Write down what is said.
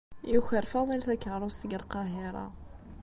Yuker Faḍil takeṛṛust deg Lqahiṛa.